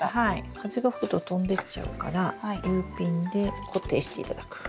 風が吹くと飛んでっちゃうからＵピンで固定して頂く。